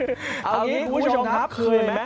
เอาอย่างนี้คุณผู้ชมครับเคยไหม